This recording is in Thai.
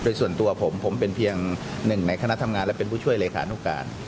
โดยส่วนตัวผมผมเป็นเพียงหนึ่งในคณะทำงานและเป็นผู้ช่วยเลขานุการ